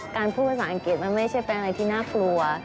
พูดภาษาอังกฤษมันไม่ใช่เป็นอะไรที่น่ากลัว